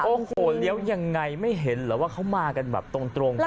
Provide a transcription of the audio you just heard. โอ้โหเลี้ยวยังไงไม่เห็นเหรอว่าเขามากันแบบตรง